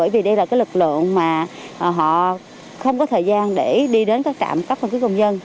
và họ không có thời gian để đi đến các trạm các căn cứ công dân